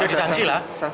ya disansi lah